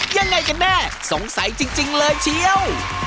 ยังไงกันแน่สงสัยจริงเลยเชียว